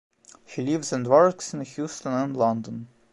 He lives and works in Houston and London.